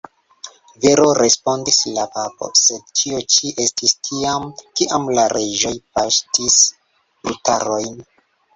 Vero, respondis la papo, sed tio ĉi estis tiam, kiam la reĝoj paŝtis brutarojn.